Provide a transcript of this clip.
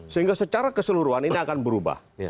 sehingga secara keseluruhan ini akan berubah